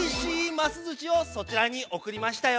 ますずしをそちらにおくりましたよ。